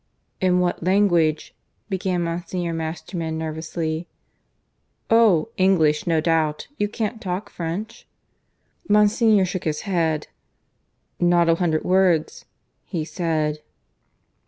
"In what language " began Monsignor Masterman nervously. "Oh! English, no doubt. You can't talk French?" Monsignor shook his head. "Not a hundred words," he said.